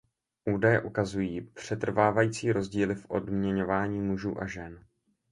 Údaje ukazují přetrvávající rozdíly v odměňování mužů a žen.